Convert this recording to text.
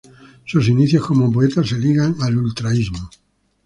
Sus inicios como poeta se ligan al ultraísmo.